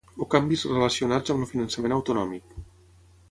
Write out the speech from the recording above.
o canvis relacionats amb el finançament autonòmic